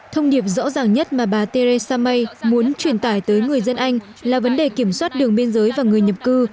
thông điệp rõ ràng nhất mà bà theresa may muốn truyền tải tới người dân anh là vấn đề kiểm soát đường biên giới và người nhập cư